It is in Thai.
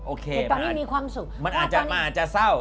โอเคมาอาจจะเศร้า